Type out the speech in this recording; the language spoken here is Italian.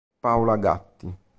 Paula Gatti